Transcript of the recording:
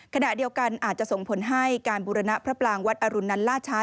ขณะเดียวกันอาจจะส่งผลให้การบุรณพระปรางวัดอรุณนั้นล่าช้า